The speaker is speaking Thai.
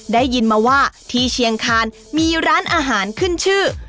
ได้ยินมาว่าที่เชียงคานมีร้านอาหารขึ้นชื่อ